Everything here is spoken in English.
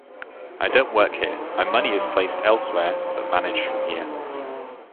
I don't work here, my money is placed elsewhere, but managed from here.